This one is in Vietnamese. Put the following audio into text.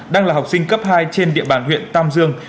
đang là học sinh cấp hai trên địa bàn huyện tam dương